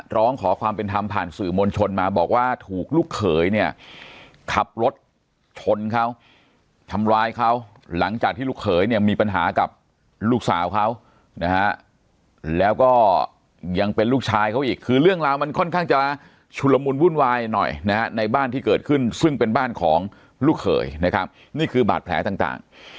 ร้องขอความเป็นธรรมผ่านสื่อมวลชนมาบอกว่าถูกลูกเขยเนี่ยขับรถชนเขาทำร้ายเขาหลังจากที่ลูกเขยเนี่ยมีปัญหากับลูกสาวเขานะฮะแล้วก็ยังเป็นลูกชายเขาอีกคือเรื่องราวมันค่อนข้างจะชุลมุนวุ่นวายหน่อยนะฮะในบ้านที่เกิดขึ้นซึ่งเป็นบ้านของลูกเขยนะครับนี่คือบาดแผลต่าง